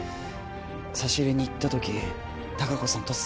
差し入れに行った時隆子さん